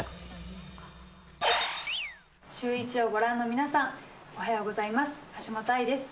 シューイチをご覧の皆さん、おはようございます。